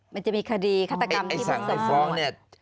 มันจะมีคดีฆาตกรรมที่มันเสริมหมด